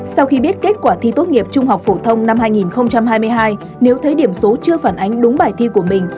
sau khi biết kết quả thi tốt nghiệp trung học phổ thông năm hai nghìn hai mươi hai nếu thấy điểm số chưa phản ánh đúng bài thi của mình